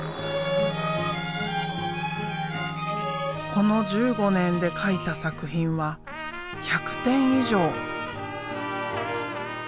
この１５年で描いた作品は１００点以上。